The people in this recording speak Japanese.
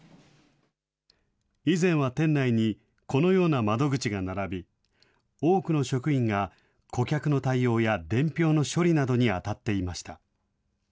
以前は店内にこのような窓口が並び、多くの職員が顧客の対応や伝票の処理などにあたっていました。